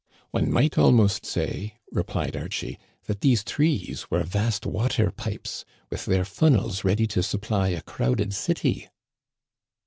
" One might almost say," replied Archie, " that these trees were' vast water pipes, with their funnels ready to supply a crowded city."